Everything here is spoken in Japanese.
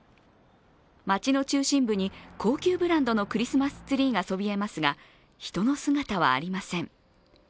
街の中心部に高級ブランドのクリスマスツリーがそびえますが、人の姿はありません。